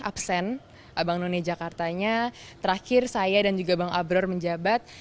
absen abang none jakartanya terakhir saya dan juga bang abror menjabat